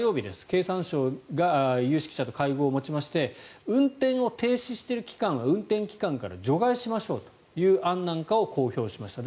経産省が有識者と会合を持ちまして運転を停止している期間は運転期間から除外しましょうという案なんかを公表しました。